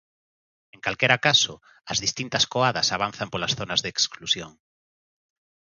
En calquera caso, as distintas coadas avanzan polas zonas de exclusión.